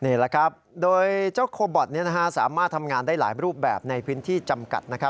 นี่แหละครับโดยเจ้าโคบอทสามารถทำงานได้หลายรูปแบบในพื้นที่จำกัด